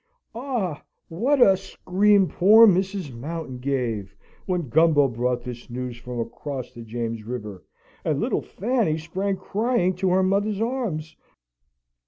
Ah, what a scream poor Mrs. Mountain gave, when Gumbo brought this news from across the James River, and little Fanny sprang crying to her mother's arms!